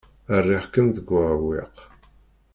Rriɣ-kem deg uɛewwiq.